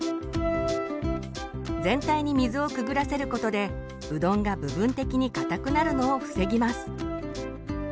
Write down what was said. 全体に水をくぐらせることでうどんが部分的にかたくなるのを防ぎます。